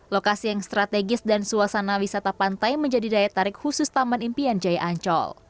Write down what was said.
lokasi yang strategis dan suasana wisata pantai menjadi daya tarik khusus taman impian jaya ancol